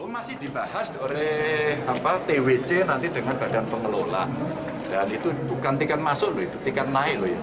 masih dibahas oleh twc nanti dengan badan pengelola dan itu bukan tiket masuk itu tiket naik